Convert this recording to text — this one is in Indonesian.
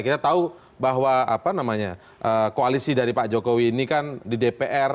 kita tahu bahwa koalisi dari pak jokowi ini kan di dpr